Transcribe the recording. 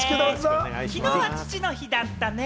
きのうは父の日だったね。